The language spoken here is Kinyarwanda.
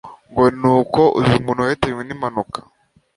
ngo ni uko uzi umuntu wahitanwe n'impanuka